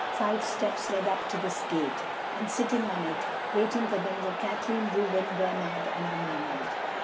Five steps led up to this gate, and sitting on it, waiting for them, were Kathleen, Reuben, Bernard and the Mermaid.